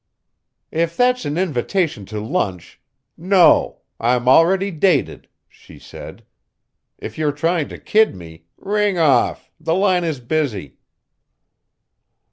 "If that's an invitation to lunch, No! I'm already dated," she said. "If you're trying to kid me, ring off, the line is busy."